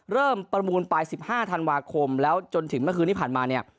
ประมูลไป๑๕ธันวาคมแล้วจนถึงเมื่อคืนที่ผ่านมาเนี่ย